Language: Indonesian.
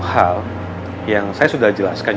hal yang saya sudah jelaskan